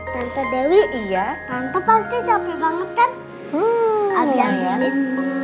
tante dewi iya nanti pasti capek banget